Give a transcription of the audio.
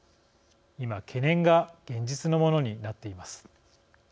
今、懸念が現実のものになっています。